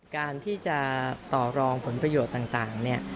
การที่จะต่อรองผลประโยชน์ต่างเนี่ย